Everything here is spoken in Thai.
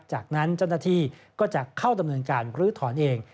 จากนั้นเจ้าหน้าที่ก็จะเข้าดำเนินการลื้อถอนเอง